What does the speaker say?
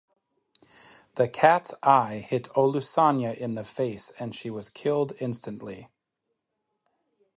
The cat's eye hit Olusanya in the face and she was killed instantly.